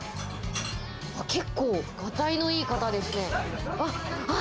結構ガタイのいい方ですね。